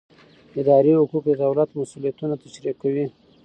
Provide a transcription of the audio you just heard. اداري حقوق د دولت مسوولیتونه تشریح کوي.